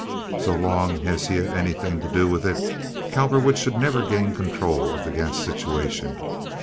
So long as he had anything to do with it, Cowperwood should never gain control of the gas situation.